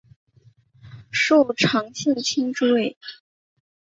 受长信卿之位。